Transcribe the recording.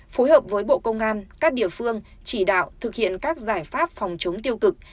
phối hợp với bộ công an các địa phương chỉ đạo thực hiện các giải pháp phòng chống tiêu cực